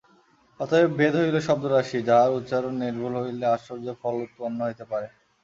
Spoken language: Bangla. অতএব বেদ হইল শব্দরাশি, যাহার উচ্চারণ নির্ভুল হইলে আশ্চর্য ফল উৎপন্ন হইতে পারে।